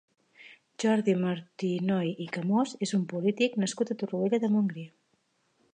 Jordi Martinoy i Camós és un polític nascut a Torroella de Montgrí.